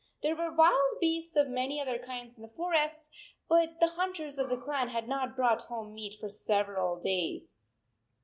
There were wild beasts of many other kinds in the forest, but the hunters of the clan had not brought home meat for several days.